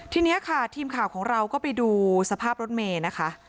ทีนี้ค่ะทีมข่าวของเราก็ไปดูสภาพรถเมย์นะคะ